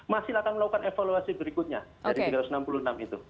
masih akan melakukan evaluasi berikutnya dari tiga ratus enam puluh enam itu